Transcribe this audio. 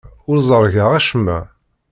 Ur ẓerrgeɣ acemma.